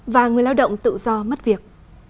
và người lao động tự do mất việc